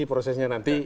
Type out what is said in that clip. ini prosesnya nanti